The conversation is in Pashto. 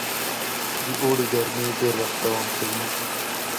د اوړي ګرمۍ ډېر وخت دوام کوي.